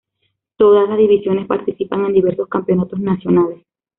Todas las divisiones participan en diversos campeonatos nacionales.